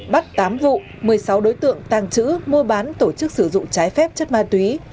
bắt tám vụ một mươi sáu đối tượng tàng trữ mua bán tổ chức sử dụng trái phép chất ma túy